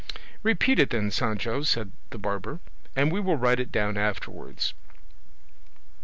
"Repeat it then, Sancho," said the barber, "and we will write it down afterwards."